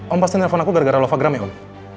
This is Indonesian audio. om pastiin nelfon aku gara gara lovagram ya om